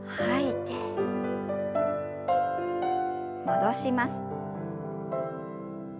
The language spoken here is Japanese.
戻します。